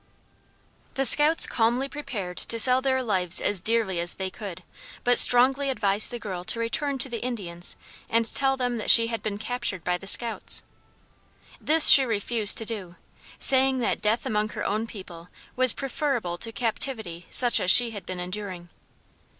The scouts calmly prepared to sell their lives as dearly as they could, but strongly advised the girl to return to the Indians and tell them that she had been captured by scouts. This she refused to do, saying that death among her own people was preferable to captivity such as she had been enduring.